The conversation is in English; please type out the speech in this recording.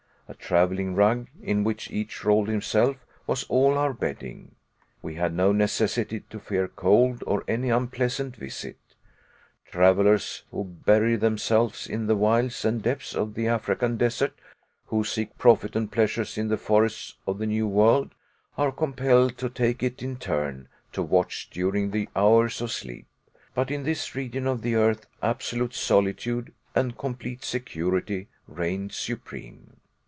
A traveling rug, in which each rolled himself, was all our bedding. We had no necessity to fear cold or any unpleasant visit. Travelers who bury themselves in the wilds and depths of the African desert, who seek profit and pleasure in the forests of the New World, are compelled to take it in turn to watch during the hours of sleep; but in this region of the earth absolute solitude and complete security reigned supreme.